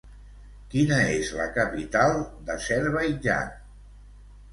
Quina és la capital d'Azerbaidjan?